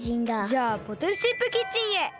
じゃあボトルシップキッチンへ。